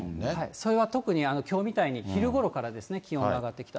それは特にきょうみたいに昼ごろからですね、気温が上がってきた。